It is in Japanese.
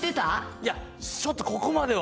いや、ちょっとここまでは。